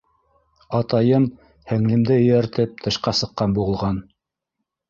Атайым һеңлемде эйәртеп тышҡа сыҡҡан булған.